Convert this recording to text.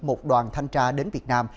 một đoàn thanh tra đến việt nam